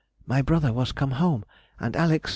My brother was come home, and Alex.